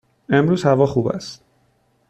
امروز هوا خوب است.